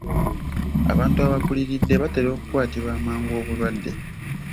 Abantu abakuliridde batera okukwatibwa amangu obulwadde.